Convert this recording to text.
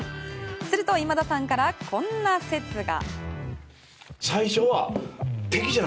すると今田さんからこんな説が。